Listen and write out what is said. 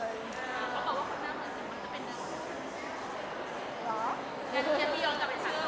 เขาบอกว่าคนหน้าเหมือนกันมันจะไปเริ่ม